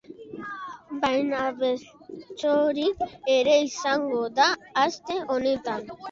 Baina bertsorik ere izango da aste honetan.